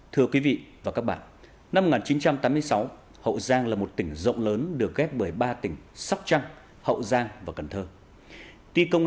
thưa quý vị và các bạn năm một nghìn chín trăm tám mươi sáu hậu giang là một tỉnh rộng lớn được ghép bởi ba tỉnh sóc trăng hậu giang và cần thơ